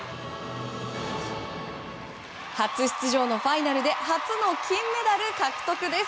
初出場のファイナルで初の金メダル獲得です！